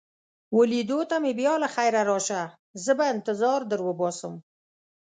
وه لیدو ته مې بیا له خیره راشه، زه به انتظار در وباسم.